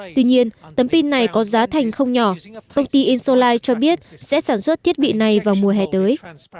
tuy nhiên tấm pin này có giá thành không nhỏ công ty insolai cho biết sẽ sản xuất thiết bị này vào mùa hè tới